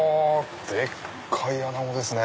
でっかいアナゴですね。